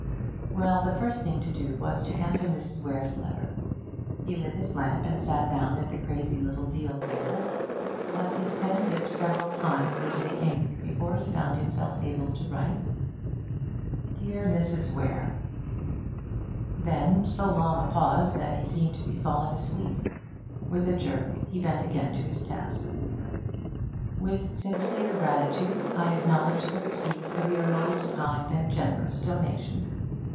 'Well, the first thing to do was to answer Mrs. Weare's letter. He lit his lamp and sat down at the crazy little deal table; but his pen dipped several times into the ink before he found himself able to write. 'Dear Mrs. Weare,' Then, so long a pause that he seemed to be falling asleep. With a jerk, he bent again to his task. 'With sincere gratitude I acknowledge the receipt of your most kind and generous donation.